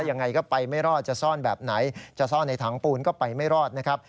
ยังไงก็ไปไม่รอดจะซ่อนแบบไหนจะซ่อนในถังปูนก็ไปไม่รอดนะครับ